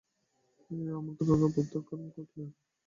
তিনি এ আমন্ত্রণ বার্তা প্রত্যাখ্যান করেন।